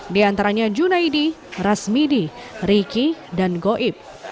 di antaranya junaidi rasmidi riki dan goib